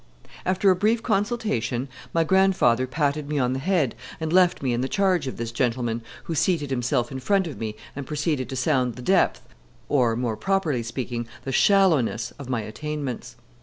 After a brief consultation, my grandfather patted me on the head and left me in charge of this gentleman, who seated himself in front of me and proceeded to sound the depth, or, more properly speaking, the shallowness, of my attainments.